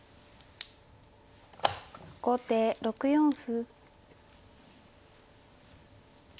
後手６四歩。